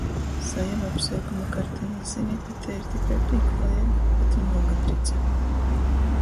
Sajem apsveikuma karteņu, zyni, ka tei ir tikai pīkluojeiba, bet vīnolga prīca.